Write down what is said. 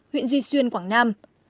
huyện duy xuyên quảng nam